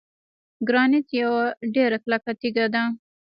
ګرانیټ یوه ډیره کلکه تیږه ده.